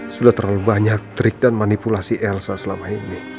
sudah terlalu banyak trik dan manipulasi elsa selama ini